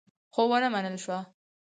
خو ونه منل شوه.